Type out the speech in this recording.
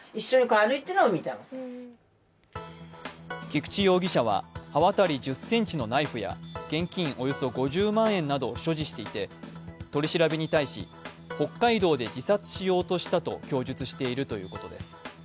菊池容疑者は、刃渡り１０ｃｍのナイフや現金およそ５０万円などを所持していて取り調べに対し、北海道で自殺しようとしたと供述しているということです。